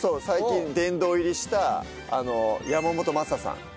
最近殿堂入りした山本昌さん。